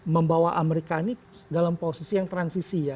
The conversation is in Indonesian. membawa amerika ini dalam posisi yang transisi ya